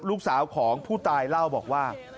ลูกสาวของผู้ตายเล่าบอกว่า